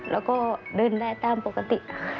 แล้วก็เดินได้ตามปกติ